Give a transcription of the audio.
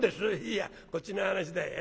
「いやこっちの話だい。